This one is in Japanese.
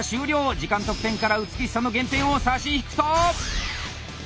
時間得点から美しさの減点を差し引くと。